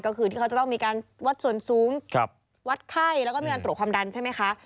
ก็คือที่เขาจะต้องมีการวัดส่วนสูงวัดไข้แล้วก็มีการตรวจความดันใช่ไหมคะ